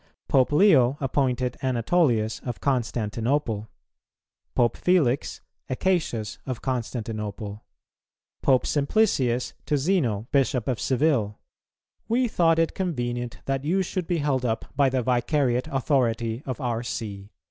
Pope Leo appointed Anatolius of Constantinople; Pope Felix, Acacius of Constantinople. .... Pope Simplicius to Zeno, Bishop of Seville: 'We thought it convenient that you should be held up by the vicariat authority of our see.'